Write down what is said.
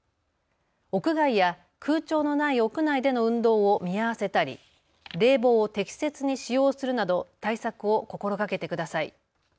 屋外や空調のない屋内での運動を見合わせたり冷房を適切に使用するなど対策を心がけてください。